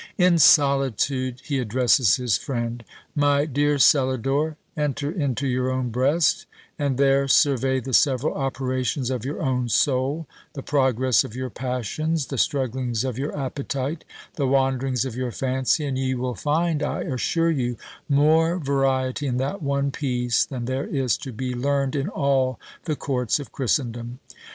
In solitude, he addresses his friend: "My dear Celador, enter into your own breast, and there survey the several operations of your own soul, the progress of your passions, the strugglings of your appetite, the wanderings of your fancy, and ye will find, I assure you, more variety in that one piece than there is to be learned in all the courts of Christendom.